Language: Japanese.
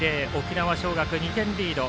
沖縄尚学２点リード。